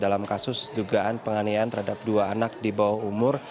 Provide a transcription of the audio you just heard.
dalam kasus dugaan penganian terhadap dua anak di bawah umur